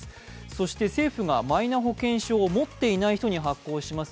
そして政府がマイナ保険証を持っていない人に発行します